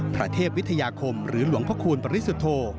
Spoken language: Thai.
พระเทพวิทยาคมหรือหลวงพระคูณปริสุทธโธ